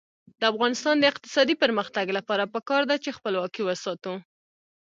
د افغانستان د اقتصادي پرمختګ لپاره پکار ده چې خپلواکي وساتو.